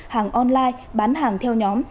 hàng online bán hàng theo nhóm